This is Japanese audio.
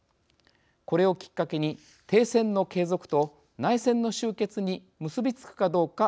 これをきっかけに停戦の継続と内戦の終結に結び付くかどうか注目されます。